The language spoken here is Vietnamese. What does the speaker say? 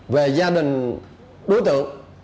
về gia đình đối tượng